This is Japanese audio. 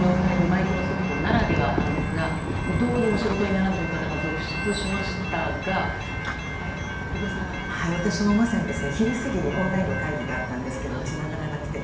世界規模で利用されるマイクロソフトならではですがどうにも仕事にならないという方が続出しましたが私もまさに昼過ぎにオンラインの会議があったんですが、つながらなくて。